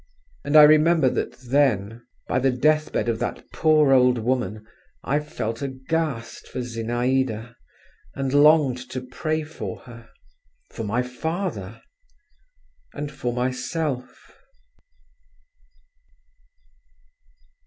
And I remember that then, by the death bed of that poor old woman, I felt aghast for Zinaïda, and longed to pray for her, for my father—and for myself.